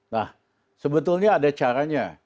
nah sebetulnya ada caranya